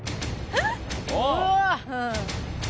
えっ？